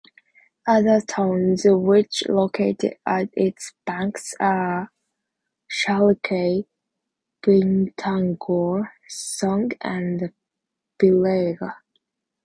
Other towns which located at its banks are Sarikei, Bintangor, Song and Belaga.